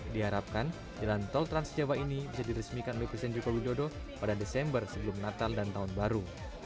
diharapkan jalan tol trans jawa ini bisa diresmikan oleh presiden joko widodo pada desember sebelum natal dan tahun baru